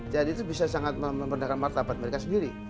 jadi itu bisa sangat memberdekat martabat mereka sendiri